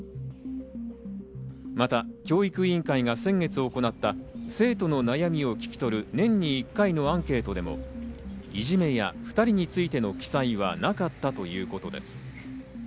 また教育委員会が先月行った生徒の悩みを聞き取る、年に１回のアンケートでも、いじめや２人についての記載はなかったということです。